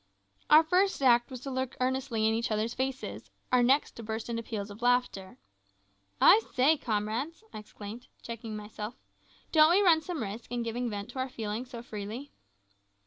Our first act was to look earnestly in each other's faces; our next to burst into peals of laughter. "I say, comrades," I exclaimed, checking myself, "don't we run some risk in giving vent to our feelings so freely?"